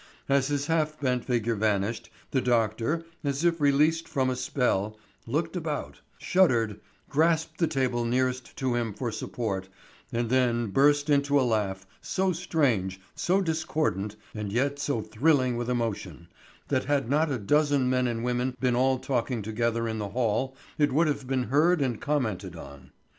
As his half bent figure vanished, the doctor, as if released from a spell, looked about, shuddered, grasped the table nearest to him for support, and then burst into a laugh so strange, so discordant, and yet so thrilling with emotion, that had not a dozen men and women been all talking together in the hall it would have been heard and commented on.